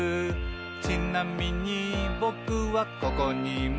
「ちなみにぼくはここにいます」